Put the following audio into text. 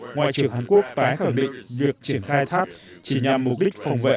ngoại trưởng hàn quốc tái khẳng định việc triển khai tháp chỉ nhằm mục đích phòng vệ